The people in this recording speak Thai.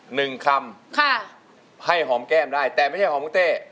หนึ่งคำค่ะให้หอมแก้มได้แต่ไม่ใช่หอมคุณเต้